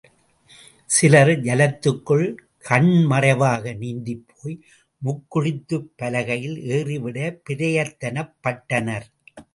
சிலர் ஜலத்துக்குள் கண் மறைவாக நீந்திப்போய் முக்குளித்துப் பலகையில் ஏறிவிடப் பிரயத்தனப்பட்டனர்.